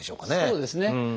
そうですね。